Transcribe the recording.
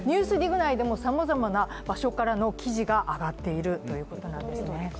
「ＮＥＷＳＤＩＧ」内でもさまざまな場所からの記事が上がっているということですね。